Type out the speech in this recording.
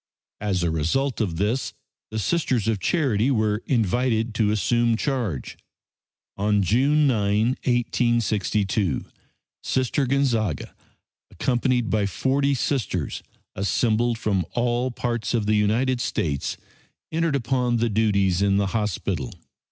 As a result of this the Sisters of Charity were invited to assume charge. On June 9, 1862, Sister Gonzaga, accompanied by 40 Sisters, assembled from all parts of the United States, entered upon the duties in the hospital.